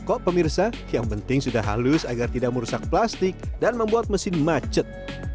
kok pemirsa yang penting sudah halus agar tidak merusak plastik dan membuat mesin macet